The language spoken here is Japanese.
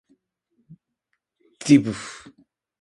ｄｖｆ